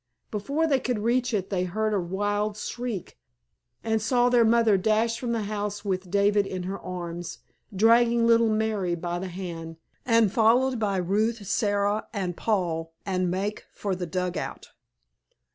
Before they could reach it they heard a wild shriek, and saw their mother dash from the house with David in her arms, dragging little Mary by the hand, and followed by Ruth, Sara, and Paul, and make for the dugout.